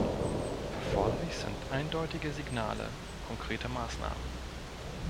Erforderlich sind eindeutige Signale, konkrete Maßnahmen.